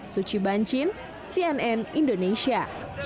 suci bancin cnn indonesia